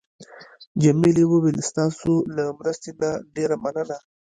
جميلې وويل: ستاسو له مرستې نه ډېره مننه.